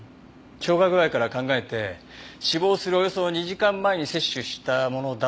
消化具合から考えて死亡するおよそ２時間前に摂取したものだと思われます。